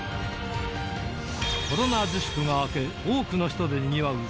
コロナ自粛が明け多くの人でにぎわううわ！